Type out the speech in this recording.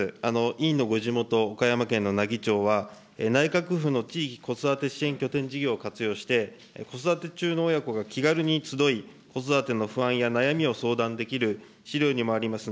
委員のご地元、岡山県の奈義町は、内閣府の地域子育て支援拠点事業を活用して、子育て中の親子が気軽に集い、子育ての不安や悩みを相談できる、資料にもあります